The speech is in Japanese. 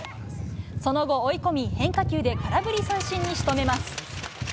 その後、追い込み、変化球で空振り三振にしとめます。